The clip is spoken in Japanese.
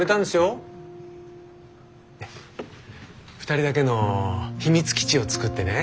２人だけの秘密基地を作ってね